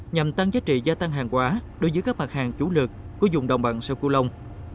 nhằm tăng giá trị gia tăng hàng quả đối với các mặt hàng chủ lực của dùng đồng bằng sâu cư lông